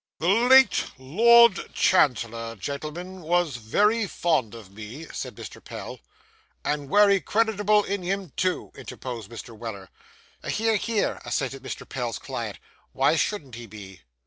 'The late Lord Chancellor, gentlemen, was very fond of me,' said Mr. Pell. 'And wery creditable in him, too,' interposed Mr. Weller. 'Hear, hear,' assented Mr. Pell's client. 'Why shouldn't he be?